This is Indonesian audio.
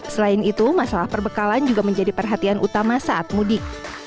selain itu masalah perbekalan juga menjadi perhatian utama saat mudik